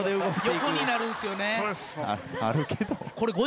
横になるんすよね。